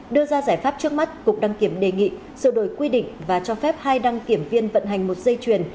đưa ra giải pháp trước mắt cục đăng kiểm đề nghị sửa đổi quy định và cho phép hai đăng kiểm viên vận hành một dây chuyền